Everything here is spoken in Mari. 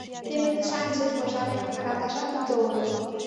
— Теве тышанже, пожале, каналташат уто огыл!